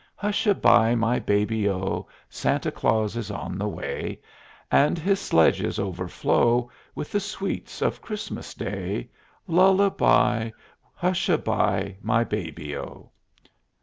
Hush a by, my Baby O! Santa Claus is on the way, And his sledges overflow With the sweets of Christmas Day. Lull a by! Hush a by, my Baby O.